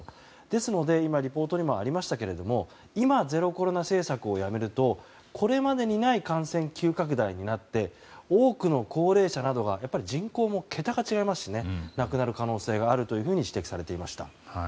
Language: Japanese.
ですので今リポートにもありましたが今ゼロコロナ政策をやめるとこれまでにない感染急拡大になって多くの高齢者などが人口の桁が違いますしね亡くなる可能性があるというふうに指摘されていました。